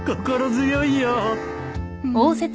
心強いよ。